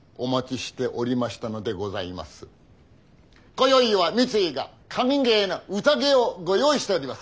今宵は三井が歓迎の宴をご用意しております。